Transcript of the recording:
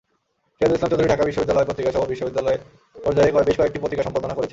সিরাজুল ইসলাম চৌধুরী ঢাকা বিশ্ববিদ্যালয় পত্রিকাসহ বিশ্ববিদ্যালয় পর্যায়ে বেশ কয়েকটি পত্রিকা সম্পাদনা করেছেন।